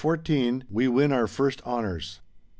WE WIN OUR FIRST HONOURS.